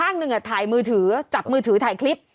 ข้างหนึ่งถ่ายมือถือจับมือถือถ่ายคลิป